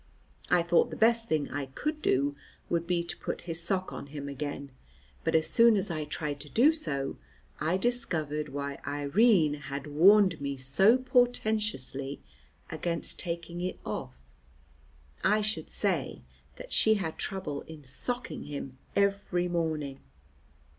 I thought the best thing I could do would be to put his sock on him again, but as soon as I tried to do so I discovered why Irene had warned me so portentously against taking it off. I should say that she had trouble in socking him every morning.